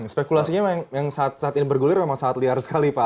spekulasinya saat ini bergilir memang saat liar sekali pak